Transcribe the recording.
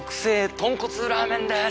とんこつラーメンです！